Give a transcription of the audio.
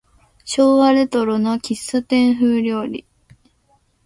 昭和レトロな喫茶店風料理